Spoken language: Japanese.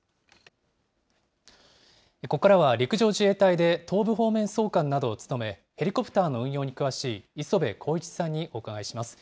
ここからは、陸上自衛隊で東部方面総監などを務め、ヘリコプターの運用に詳しい磯部晃一さんにお伺いします。